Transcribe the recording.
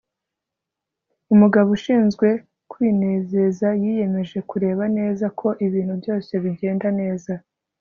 Umugabo ushinzwe kwinezezayiyemeje kureba neza ko ibintu byose bigenda neza